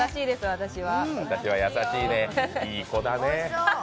私は優しいですいい子だね。